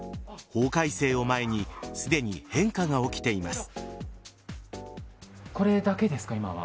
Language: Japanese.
法改正を前にすでに変化が起きています。